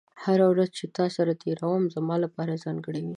هره ورځ چې تا سره تېره کړم، زما لپاره ځانګړې وي.